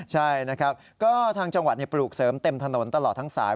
ใช่นะครับก็ทางจังหวัดปลูกเสริมเต็มถนนตลอดทั้งสาย